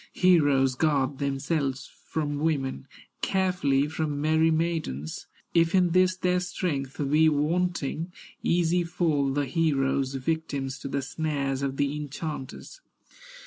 Heroes guard themselves from women, Carefully from merry maidens; If in this their strength be wanting, Easy fall the heroes, victims To the snares of the enchanters.